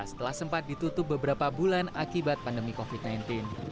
setelah sempat ditutup beberapa bulan akibat pandemi covid sembilan belas